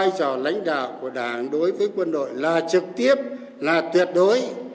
vai trò lãnh đạo của đảng đối với quân đội là trực tiếp là tuyệt đối